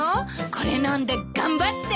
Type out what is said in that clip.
これ飲んで頑張って！